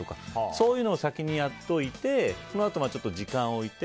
そういうのを先にやっておいてそのあと時間を置いて。